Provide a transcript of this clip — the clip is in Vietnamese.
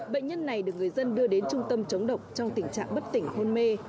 bệnh nhân này được người dân đưa đến trung tâm chống độc trong tình trạng bất tỉnh hôn mê